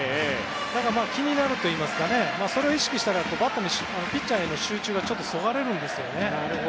だから気になるというかそれを意識したらピッチャーへの集中が、そがれるんですね。